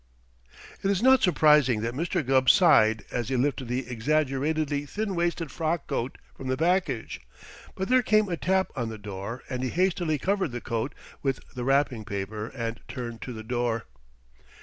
It is not surprising that Mr. Gubb sighed as he lifted the exaggeratedly thin waisted frock coat from the package, but there came a tap on the door and he hastily covered the coat with the wrapping paper and turned to the door.